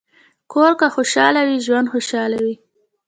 کور که خوشحال وي، ژوند خوشحال وي.